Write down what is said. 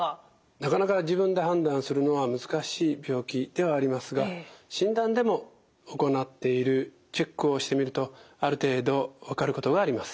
なかなか自分で判断するのは難しい病気ではありますが診断でも行っているチェックをしてみるとある程度分かることがあります。